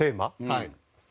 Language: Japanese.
はい。